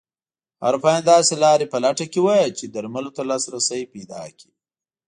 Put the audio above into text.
اروپایان داسې لارې په لټه کې وو چې درملو ته لاسرسی پیدا کړي.